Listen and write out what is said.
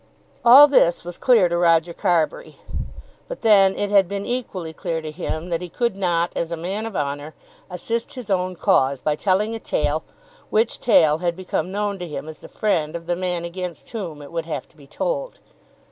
All this was clear to Roger Carbury. But then it had been equally clear to him that he could not, as a man of honour, assist his own cause by telling a tale, which tale had become known to him as the friend of the man against whom it would have to be told.